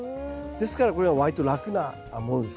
ですからこれは割と楽なものですね。